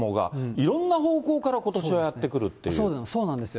いろんな方向からことしはやって来るとそうなんですよ。